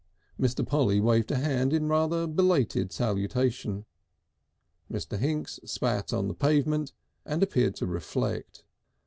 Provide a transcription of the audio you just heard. Mr. Polly waved a hand in a rather belated salutation. Mr. Hinks spat on the pavement and appeared to reflect.